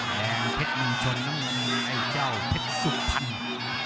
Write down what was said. แดงแพ็ดมิงชนน้องน้องมีนไอ้เจ้าแพ็ดสุภัณฑ์